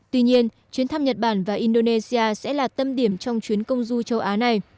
tuy nhiên chuyến thăm nhật bản và indonesia sẽ là tâm điểm trong chuyến công du châu á này